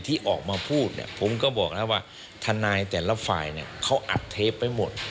ที่ออกมาพูดเนี่ยผมก็บอกแล้วว่าทนายแต่ละฝ่ายเนี่ยเขาอัดเทปไว้หมด